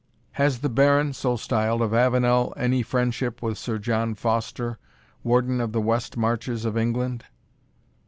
"Has the Baron (so styled) of Avenel any friendship with Sir John Foster, Warden of the West Marches of England?"